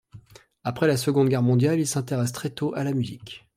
Après la Seconde Guerre mondiale, il s'intéresse très tôt à la musique.